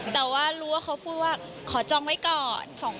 แต่ว่ารู้ว่าเขาพูดว่าขอจองไว้ก่อน